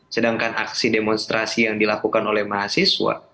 sedangkan aksi demonstrasi yang dilakukan oleh mahasiswa